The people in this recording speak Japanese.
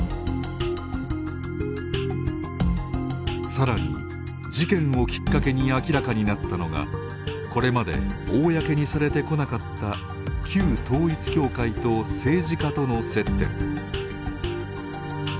さらに、事件をきっかけに明らかになったのがこれまで公にされてこなかった旧統一教会と政治家との接点。